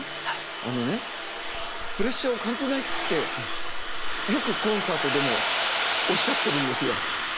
あのねプレッシャーを感じないってよくコンサートでもおっしゃってるんですよ。